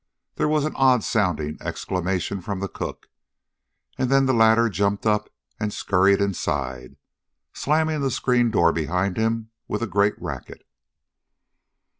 There was an odd sounding exclamation from the cook, and then the latter jumped up and scurried inside, slamming the screen door behind him with a great racket.